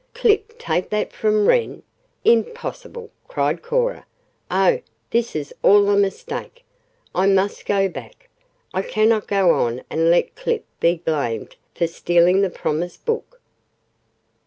"Clip take that from Wren! Impossible!" cried Cora. "Oh, this is all a mistake! I must go back. I cannot go on and let Clip be blamed for stealing the promise book."